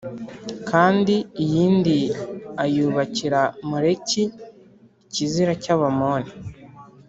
kandi iyindi ayubakira Moleki ikizira cy’Abamoni